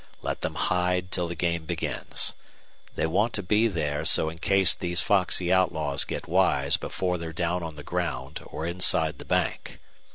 Let them hide till the game begins. They want to be there so in case these foxy outlaws get wise before they're down on the ground or inside the bank.